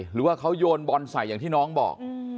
หรือว่าเขาโยนบอลใส่อย่างที่น้องบอก